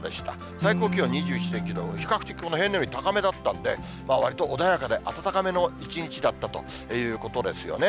最高気温２１．９度、比較的平年より高めだったんで、わりと穏やかで暖かめの一日だったということですよね。